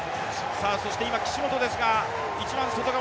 そして今、岸本ですが一番外側。